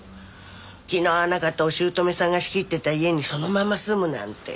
気の合わなかったお姑さんが仕切ってた家にそのまま住むなんて。